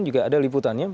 juga ada liputannya